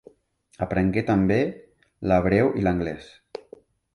Aprengué també l'hebreu i l'anglès.